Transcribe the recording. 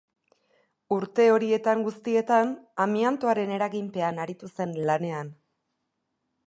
Urte horietan guztietan amiantoaren eraginpean aritu zen lanean.